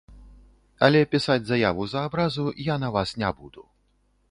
Але пісаць заяву за абразу я на вас не буду.